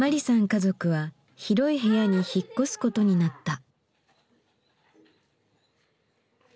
家族は広い部屋に引っ越すことになった。